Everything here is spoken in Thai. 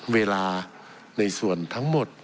เวลาในส่วนทั้งหมด